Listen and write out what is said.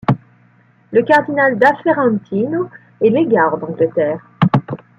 Le cardinal da Ferentino est légat en Angleterre.